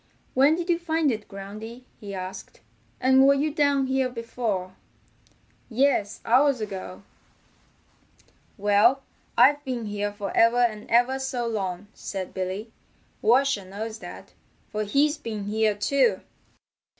"When did you find it, Groundy?" he asked. "And were you down here before?" "Yes, hours ago." "Well, I've been here for ever and ever so long," said Billy. "Washer knows that, for he's been here too."